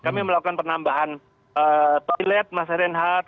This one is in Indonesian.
kami melakukan penambahan toilet mas reinhardt